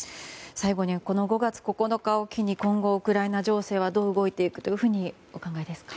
最後に５月９日を機に今後、ウクライナ情勢はどう動いていくとお考えですか？